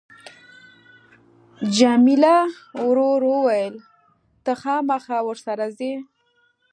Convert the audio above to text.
جميله ورو وویل ته خامخا ورسره ځې.